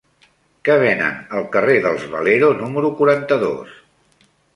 Què venen al carrer dels Valero número quaranta-dos?